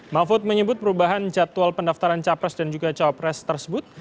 mahfud menyebut perubahan jadwal pendaftaran capres dan juga cawapres tersebut